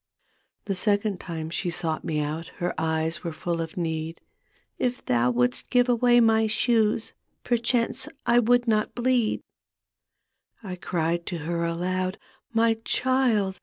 The second time she sought me out Her eyes were full of need. " If thou wouldst give away my shoes Perchance I would not bleed." I cried to her aloud, " My child.